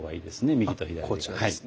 右と左で。